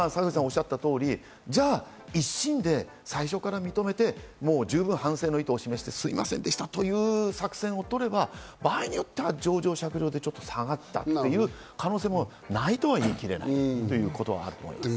坂口さんがおっしゃった通り、１審で最初から認めて十分反省の意図を示して、すいませんでしたという作戦をとれば場合によっては情状酌量でちょっと下がったという可能性もないとは言い切れないということはあると思います。